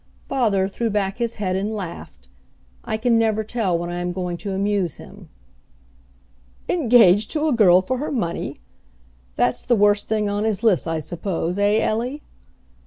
Father threw back his head and laughed I can never tell when I am going to amuse him. "Engaged to a girl for her money? That's the worst thing on his list, I suppose, eh, Ellie?"